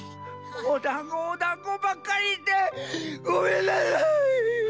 おだんごおだんごばっかりいってごめんなさい！